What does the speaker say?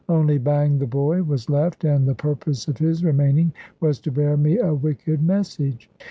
Only Bang, the boy, was left, and the purpose of his remaining was to bear me a wicked message.